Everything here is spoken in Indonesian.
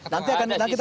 nanti akan kita lihat